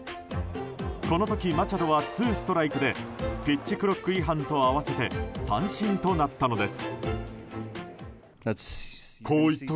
この時、マチャドはツーストライクでピッチクロック違反と合わせて三振となったのです。